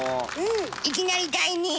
いきなり第２位！